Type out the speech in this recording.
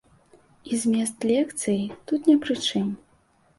І змест лекцыі тут не пры чым.